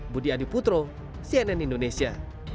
budi adiputro cnn indonesia